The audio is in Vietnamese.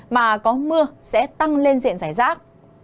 mà có mưa sẽ tăng lên diện rải rác